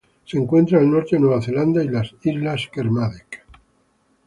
Se encuentra al norte de Nueva Zelanda y las Islas Kermadec.